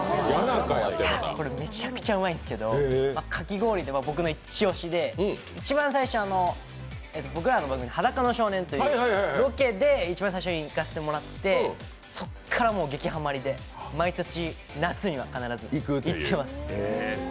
めちゃくちゃうまいんですけど、かき氷で僕の一押しで一番最初、僕らの番組で「裸の少年」という番組のロケで一番最初に行かせてもらって、そこから劇ハマりで毎年、夏には必ず行ってます。